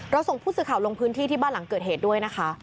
ส่งผู้สื่อข่าวลงพื้นที่ที่บ้านหลังเกิดเหตุด้วยนะคะ